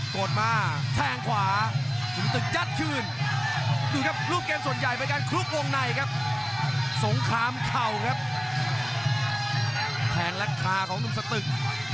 แขนและคลาของนุ่มสะเติก